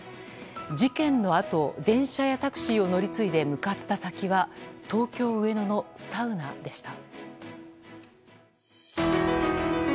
事件のあと電車やタクシーを乗り継いで向かった先は東京・上野のサウナでした。